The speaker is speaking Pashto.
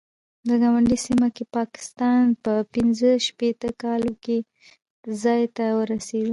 په ګاونډۍ سیمه کې پاکستان په پنځه شپېته کالو کې دې ځای ته ورسېد.